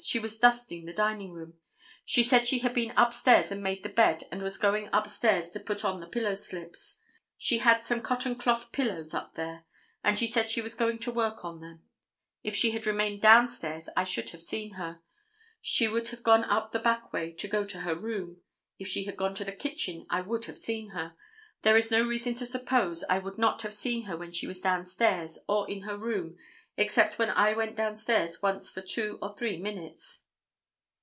She was dusting the dining room. She said she had been up stairs and made the bed and was going up stairs to put on the pillow slips. She had some cotton cloth pillows up there, and she said she was going to work on them. If she had remained down stairs I should have seen her. She would have gone up the back way to go to her room. If she had gone to the kitchen I would have seen her. There is no reason to suppose I would not have seen her when she was down stairs or in her room, except when I went down stairs once for two or three minutes."